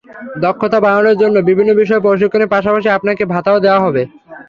দক্ষতা বাড়ানোর জন্য বিভিন্ন বিষয়ে প্রশিক্ষণের পাশাপাশি আপনাকে ভাতাও দেওয়া হবে।